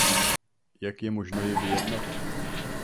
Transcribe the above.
Jak je možno ji vyjednat?